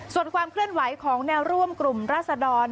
ส่วนความเคลื่อนไหวของแนวร่วมกลุ่มราศดร